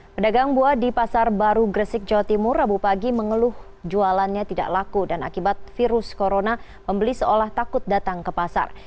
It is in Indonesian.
pedagang buah di pasar baru gresik jawa timur rabu pagi mengeluh jualannya tidak laku dan akibat virus corona membeli seolah takut datang ke pasar